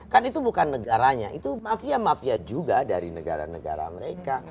kan itu bukan negaranya itu mafia mafia juga dari negara negara mereka